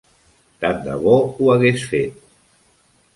Tant de bo ho hagués fet.